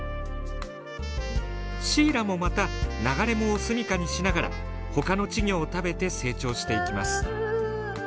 シイラもまた流れ藻を住みかにしながらほかの稚魚を食べて成長していきます。